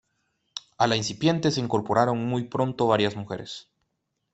A la incipiente se incorporaron muy pronto varias mujeres.